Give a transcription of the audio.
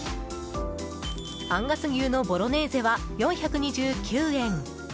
アンガス牛のボロネーゼは４２９円。